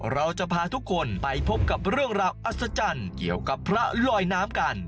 เราจะพาทุกคนไปพบกับเรื่องราวอัศจรรย์เกี่ยวกับพระลอยน้ำกัน